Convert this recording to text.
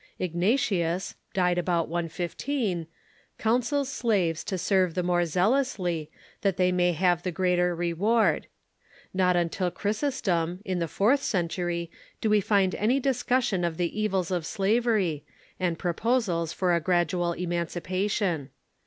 Ignatius (died about 115) counsels slaves to serve the more zealously, that they may have the greater reward. Not till Chrysostom, in the fourth century, do we find any discussion of the evils of slavery, and proposals for a gradual emancipation.